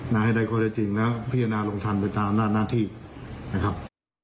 นะให้ได้ก็จะจริงแล้วพิจารณาลงทันตัวตามหน้าหน้าที่นะครับ